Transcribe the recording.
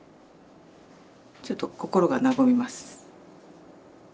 ちょっと心が和みます。